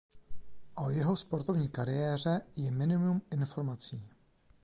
O jeho sportovní kariéře je minimum informací.